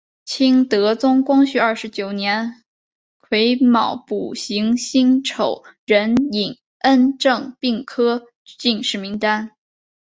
清德宗光绪二十九年癸卯补行辛丑壬寅恩正并科进士名单。